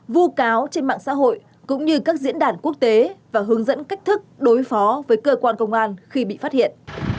vu cáo trên mạng xã hội cũng như các diễn đàn quốc tế và hướng dẫn cách thức đối phó với cơ quan công an khi bị phát hiện